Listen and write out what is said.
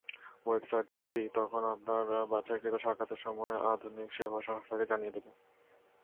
ওয়েবসাইটটি তখন আপনার বাছাইকৃত সাক্ষাতের সময় আধুনিক সেবা সংস্থাকে জানিয়ে দেবে।